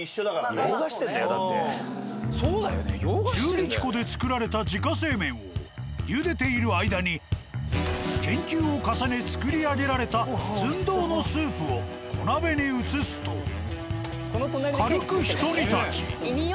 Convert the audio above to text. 中力粉で作られた自家製麺をゆでている間に研究を重ね作り上げられた寸胴のスープを小鍋に移すと軽くひと煮立ち。